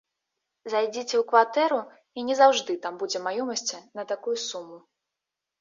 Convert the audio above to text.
Зайдзіце ў кватэру, і не заўжды там будзе маёмасці на такую суму.